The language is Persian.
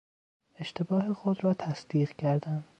اشتباه خود را تصدیق کردن